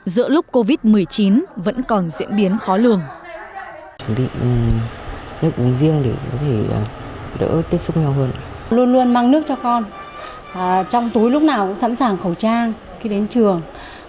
giữa lúc covid một mươi chín vẫn còn diễn biến khó lường